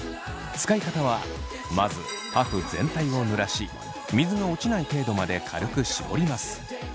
使い方はまずパフ全体を濡らし水が落ちない程度まで軽くしぼります。